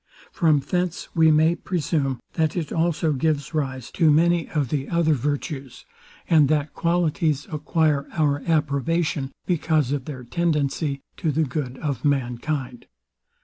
From thence we may presume, that it also gives rise to many of the other virtues; and that qualities acquire our approbation, because of their tendency to the good of mankind.